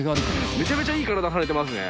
めちゃめちゃいい体されてますね。